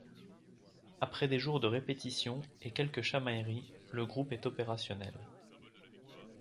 Après des jours de répétition, et quelques chamailleries, le groupe est opérationnel.